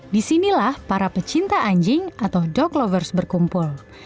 disinilah para pecinta anjing atau dog lovers berkumpul